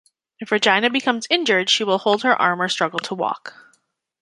If Regina becomes injured, she will hold her arm or struggle to walk.